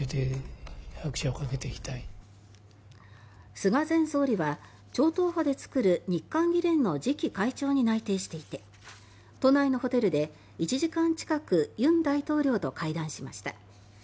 菅前総理は、超党派で作る日韓議連の次期会長に内定していて都内のホテルで１時間近く尹大統領と会談しました。